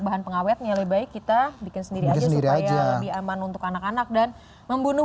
bahan pengawetnya lebih baik kita bikin sendiri aja supaya lebih aman untuk anak anak dan membunuh